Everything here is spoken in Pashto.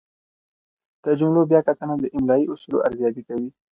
د جملو بیا کتنه د املايي اصولو ارزیابي کوي.